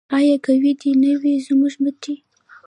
آیا قوي دې نه وي زموږ مټې؟